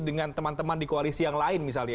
dengan teman teman di koalisi yang lain misalnya